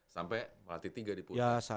sampai malah t tiga di pulau ya